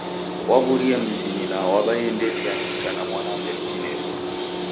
Waw'urie mzinyi na waw'iaendelia nicha na mwanape mtinieri.